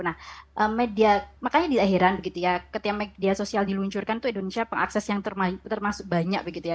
nah media makanya tidak heran begitu ya ketika media sosial diluncurkan itu indonesia pengakses yang termasuk banyak begitu ya